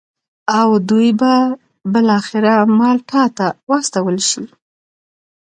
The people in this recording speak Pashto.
او دوی به بالاخره مالټا ته واستول شي.